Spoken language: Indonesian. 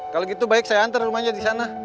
kalo gitu baik saya antar rumahnya disana